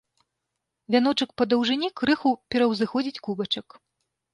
Вяночак па даўжыні крыху пераўзыходзіць кубачак.